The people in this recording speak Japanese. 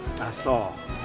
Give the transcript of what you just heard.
あっそう。